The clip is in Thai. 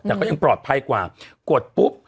แต่ก็ยังปลอดภัยกว่ากดปุ๊บ